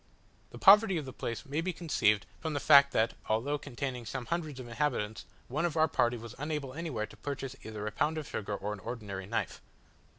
The poverty of the place may be conceived from the fact, that although containing some hundreds of inhabitants, one of our party was unable anywhere to purchase either a pound of sugar or an ordinary knife.